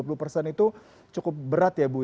apakah anda melihat ini cukup berat